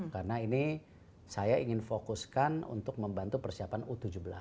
karena ini saya ingin fokuskan untuk membantu persiapan u tujuh belas